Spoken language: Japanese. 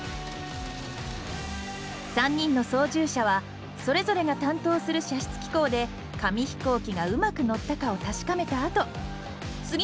３人の操縦者はそれぞれが担当する射出機構で紙飛行機がうまくのったかを確かめた後次の狙いを指示するだけ。